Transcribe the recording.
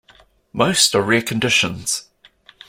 Most are rare conditions.